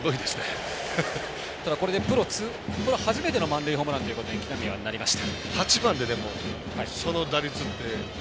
ただ、初めての満塁ホームランということに木浪はなりました。